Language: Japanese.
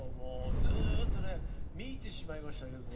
ずっとね見入ってしまいました。